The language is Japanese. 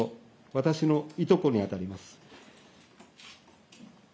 私のいとこに当たります。